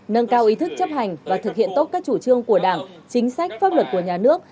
nâng cao ý thức chấp hành và thực hiện tốt các chủ trương của đảng chính sách pháp luật của nhà nước